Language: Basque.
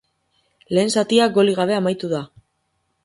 Lehen zatia golik gabe amaitu da.